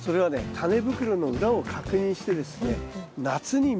タネ袋の裏を確認してですね